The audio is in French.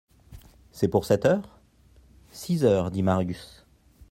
C'est pour sept heures ? Six heures, dit Marius.